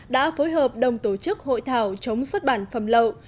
đã phối hợp đồng tổ chức hội thảo chống xuất bản phẩm lậu